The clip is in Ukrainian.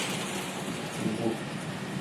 Звук